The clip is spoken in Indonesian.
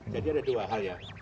jadi ada dua hal ya